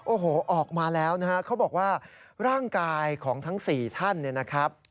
โอ้โหออกมาแล้วนะฮะเขาบอกว่าร่างกายของทั้ง๔ท่านเนี่ยนะครับ